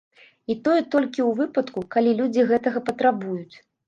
І тое толькі ў выпадку, калі людзі гэтага патрабуюць.